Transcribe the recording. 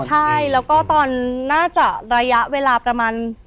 ใช่แล้วก็ตอนน่าจะระยะเวลาประมาณ